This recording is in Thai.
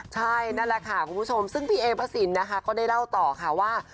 ใช่นั่นแหละค่ะคุณผู้ชมซึ่งพี่เอพระสินนะคะก็ได้เล่าต่อค่ะว่า